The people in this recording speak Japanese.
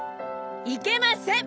いけません！